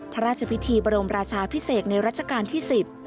พระราชพิธีบรมราชาพิเศษในรัชกาลที่๑๐